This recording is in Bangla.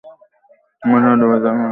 বঙ্গোপসাগরে ডুবে মরে যাও, গাধা কোথাকার!